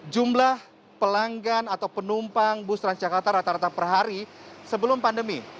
jumlah pelanggan atau penumpang bus transjakarta rata rata per hari sebelum pandemi